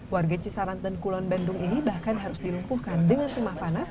warga cisarantan kulon bandung ini bahkan harus dilumpuhkan dengan simah panas